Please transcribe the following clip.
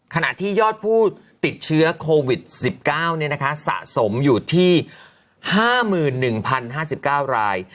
ขณะที่ยอดผู้ติดเชื้อโควิด๑๙สะสมอยู่ที่๕๑๐๕๙ราย